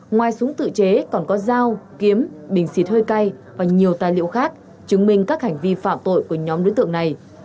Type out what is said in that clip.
ngoài súng tự chế còn có dao kiếm bình xịt hơi cay và nhiều tài liệu khác chứng minh các hành vi phạm tội của nhóm đối tượng này